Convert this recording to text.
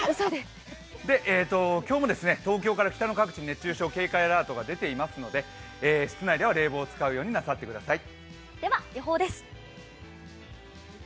今日も東京から北の各地、熱中症警戒アラートが出ていますので、室内では冷房を使うようになさってください。